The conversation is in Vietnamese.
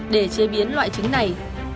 để chế biến loại trứng này